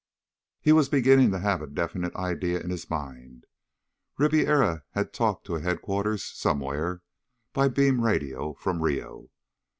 He was beginning to have a definite idea in his mind. Ribiera had talked to a headquarters somewhere, by beam radio from Rio.